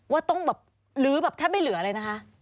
ว่าต้องแบบหรือแทบไม่เหลืออะไรนะคะ